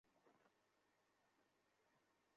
এখানে যারা আছে তারা তার সুহৃদ হওয়াটা এক প্রকার অসম্ভব।